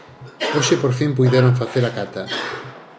Hoxe por fin puideron facer a cata.